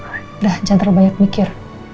udah jangan terlalu banyak mikir